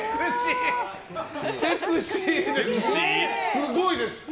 すごいです。